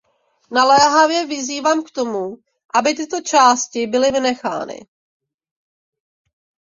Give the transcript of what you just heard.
Naléhavě vyzývám k tomu, aby tyto části byly vynechány.